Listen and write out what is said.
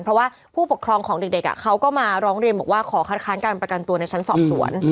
เพราะว่าผู้ปกครองของเด็กเขาก็มาร้องเรียนบอกว่าขอคัดค้านการประกันตัวในชั้นสอบสวน